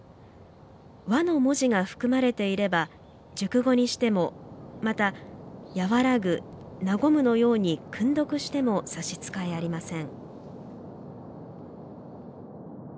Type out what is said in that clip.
「和」の文字が含まれていれば熟語にしてもまた「和らぐ」「和む」のように訓読しても差し支えありません。